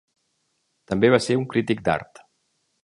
També va ser un crític d'art.